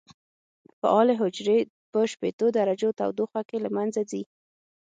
فعالې حجرې په شپېتو درجو تودوخه کې له منځه ځي.